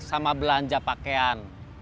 sama belanja pakaian